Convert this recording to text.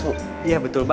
gak lucu man